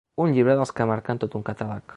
Un llibre dels que marquen tot un catàleg.